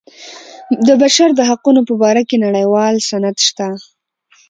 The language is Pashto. د بشر د حقونو په باره کې نړیوال سند شته.